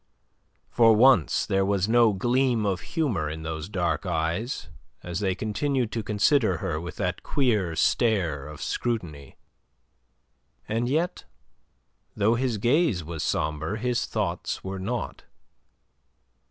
For once there was no gleam of humour in those dark eyes, as they continued to consider her with that queer stare of scrutiny. And yet, though his gaze was sombre, his thoughts were not.